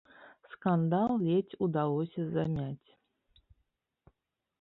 Скандал ледзь удалося замяць.